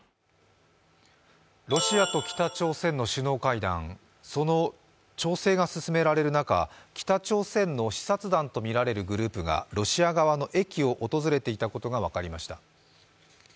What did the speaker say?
ロシアと北朝鮮の首脳会談、その調整が進められる中、北朝鮮の視察団と見られるグループがロシア側の駅を訪れていたことが分かりました。